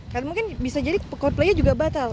karena mungkin bisa jadi coldplay nya juga batal